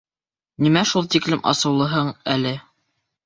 Нимә шул тиклем асыулыһың әле?